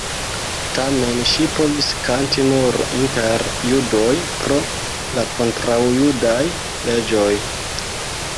Tamen ŝi povis kanti nur inter judoj pro la kontraŭjudaj leĝoj.